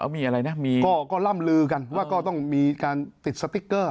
มีอะไรนะมีก็ล่ำลือกันว่าก็ต้องมีการติดสติ๊กเกอร์